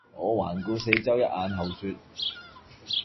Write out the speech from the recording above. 我環顧四周一眼後說